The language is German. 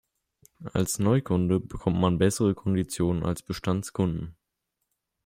Als Neukunde bekommt man bessere Konditionen als Bestandskunden.